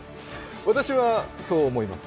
私はそう思います。